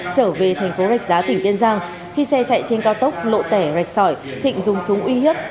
trở về thành phố rạch giá tỉnh kiên giang khi xe chạy trên cao tốc lộ tẻ rạch sỏi thịnh dùng súng uy hiếp